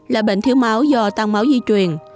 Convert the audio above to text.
là bệnh thiếu máu do tăng máu di truyền